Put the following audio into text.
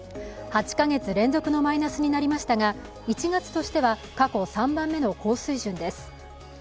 ８カ月連続のマイナスになりましたが、１月としては過去３番目の高水準です。